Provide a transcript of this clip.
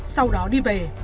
sau đó đi về